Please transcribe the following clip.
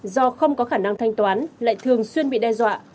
do không có khả năng thanh toán lại thường xuyên bị đe dọa